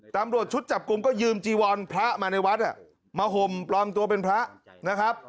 ตำรวจชุดจับกลุ่มก็ยืมจีวรพระมาในวัดมาห่มปลอมตัวเป็นพระนะครับ